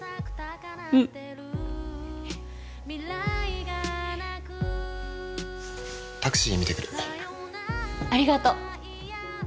うんタクシー見てくるありがとう